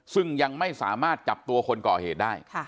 ซึ่งยังไม่สามารถจับตัวคนก่อเหตุได้